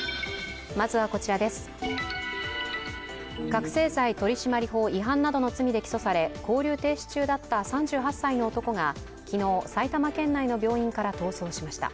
覚醒剤取締法違反などの罪で起訴され勾留停止中だった３８歳の男が昨日、埼玉県内の病院から逃走しました。